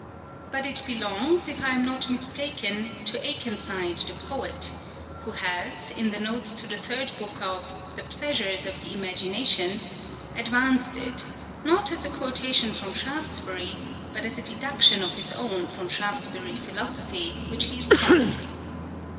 But it belongs, if I am not mistaken, to Akenside the poet, who has, in the notes to the third book of " The Pleasures of the Imagina 278 CURIOSITIES OF tion," advanced it, not as a quotation from Shaftesbury but as a deduction of his own from Shaftesbury philosophy which he is combating.